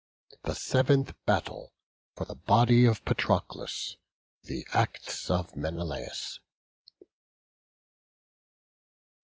THE SEVENTH BATTLE, FOR THE BODY OF PATROCLUS.—THE ACTS OF MENELAUS.